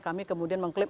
kami kemudian mengklaim